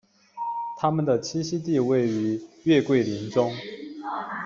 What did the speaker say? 它们的栖息地位于月桂林中。